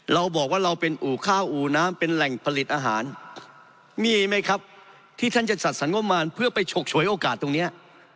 เราบอกว่าเราเป็นอู่ข้าวอู่น้ำเป็นแหล่งผลิตอาหารมีไหมครับที่ท่านจะจัดสรรงบมารเพื่อไปฉกฉวยโอกาสตรงนี้